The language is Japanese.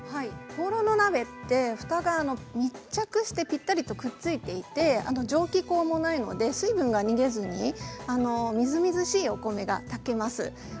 ホーロー鍋はふたが密着してぴったりとくっついていて蒸気口もないので水分が逃げずにみずみずしいお米が炊けます。